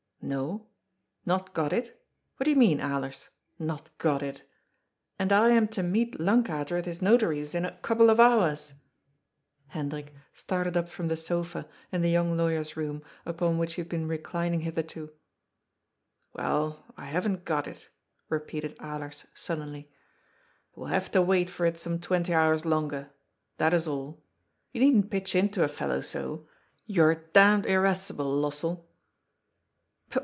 "No? Not got it? What do you mean, Alers? Not got it? And I am to meet Lankater at his Notary's in a couple of hours !" Hendrik started up from the sofa in the young lawyer's room upon which he had been reclining hitherto. " Well, I haven't got it," repeated Alers sullenly. " He will have to wait for it some twenty hours longer. That is all. You needn't pitch into a fellow so. You are d irascible, Lossell."